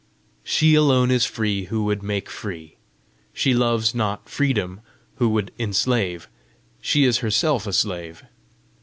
"She alone is free who would make free; she loves not freedom who would enslave: she is herself a slave.